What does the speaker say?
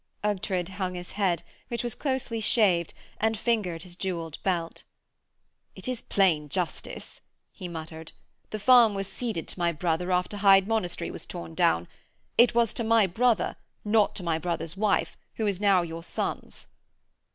Ughtred hung his head, which was closely shaved, and fingered his jewelled belt. 'It is plain justice,' he muttered. 'The farm was ceded to my brother after Hyde Monastery was torn down. It was to my brother, not to my brother's wife, who is now your son's.'